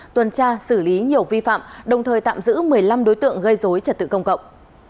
tuần tra xử lý nhiều vi phạm đồng thời tạm giữ một mươi năm đối tượng gây dối trật tự công cộng